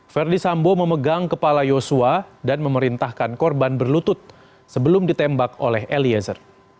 verdi sambo memegang kepala yosua dan memerintahkan korban berlutut sebelum ditembak oleh eliezer